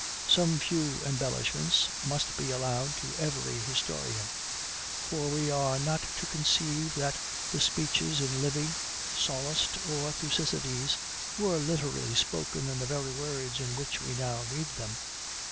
Some few embellishments must be allowed to every historian; for we are not to conceive that the speeches in Livy, Sallust, or Thucydides, were literally spoken in the very words in which we now read them.